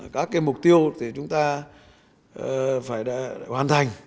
các mục tiêu thì chúng ta phải hoàn thành